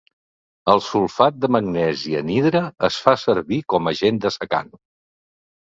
El sulfat de magnesi anhidre es fa servir com agent dessecant.